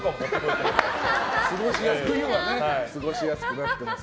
過ごしやすくなってます。